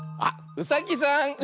うさぎさん。